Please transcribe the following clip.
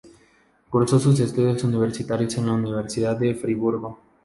Cursó sus estudios universitarios en la Universidad de Friburgo.